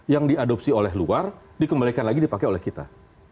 yang diadopsi oleh luar dikembalikan lagi dipakai oleh kita